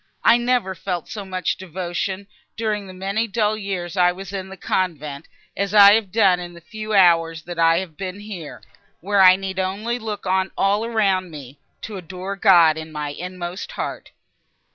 I never felt so much devotion, during the many dull years I was in the convent, as I have done in the few hours, that I have been here, where I need only look on all around me—to adore God in my inmost heart!"